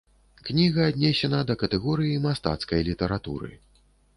Кніга аднесена да катэгорыі мастацкай літаратуры.